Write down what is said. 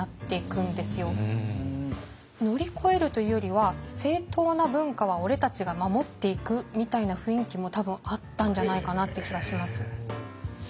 乗り越えるというよりは正統な文化は俺たちが守っていくみたいな雰囲気も多分あったんじゃないかなって気はします。